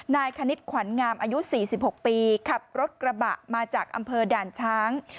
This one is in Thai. คณิตขวัญงามอายุ๔๖ปีขับรถกระบะมาจากอำเภอด่านช้าง